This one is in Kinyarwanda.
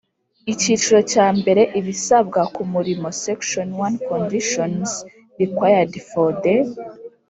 Icyiciro cya mbere Ibisabwa ku murimo Section One Conditions required for the